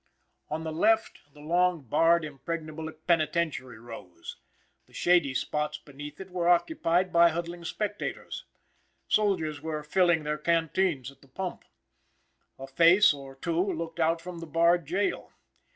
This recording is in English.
On the left, the long, barred, impregnable penitentiary rose. The shady spots beneath it were occupied by huddling spectators. Soldiers were filling their canteens at the pump. A face or two looked out from the barred jail.